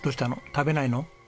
食べないの？